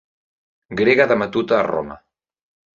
Grega de matuta a Roma.